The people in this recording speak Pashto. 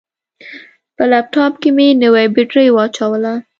په لپټاپ کې مې نوې بطرۍ واچوله.